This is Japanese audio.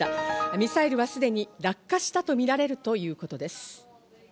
ミサイルはすでに落下したとみられるということです。